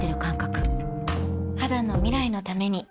肌の未来のために